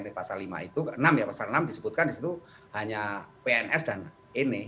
di pasal lima itu ke enam ya pasal enam disebutkan di situ hanya pns dan ini